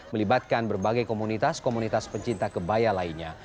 melibatkan berbagai komunitas komunitas pencinta kebaya lainnya